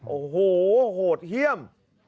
โอ้โหโหดเยี่ยม